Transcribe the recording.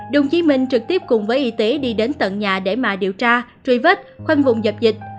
đồng chí minh trực tiếp cùng với y tế đi đến tận nhà để mà điều tra truy vết khoanh vùng dập dịch